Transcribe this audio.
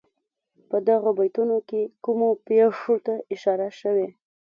په دغو بیتونو کې کومو پېښو ته اشاره شوې.